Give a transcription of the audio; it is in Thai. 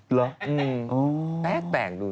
หรือดูแปลกดู